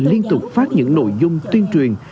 liên tục phát những nội dung tuyên truyền